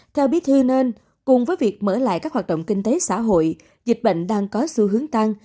theo bí thư nên cùng với việc mở lại các hoạt động kinh tế xã hội dịch bệnh đang có xu hướng tăng